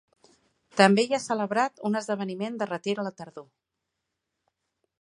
També hi ha celebrat un esdeveniment de retir a la tardor.